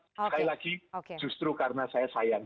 sekali lagi justru karena saya sayang